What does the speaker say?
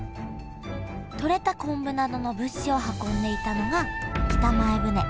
とれた昆布などの物資を運んでいたのが北前船。